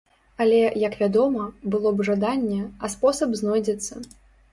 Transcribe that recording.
Але, як вядома, было б жаданне, а спосаб знойдзецца.